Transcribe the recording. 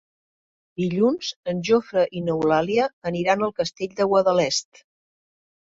Dilluns en Jofre i n'Eulàlia aniran al Castell de Guadalest.